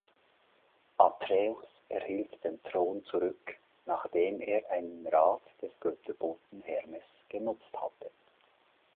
Atreus erhielt den Thron zurück, nachdem er einen Rat des Götterboten Hermes genutzt hatte.